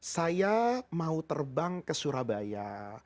saya mau terbang ke surabaya